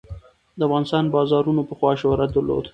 د افغانستان بازارونو پخوا شهرت درلود.